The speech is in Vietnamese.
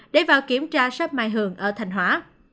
để vào kiểm tra sắp mai hường ở thành hóa